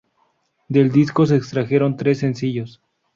Del disco se extrajeron tres sencillos.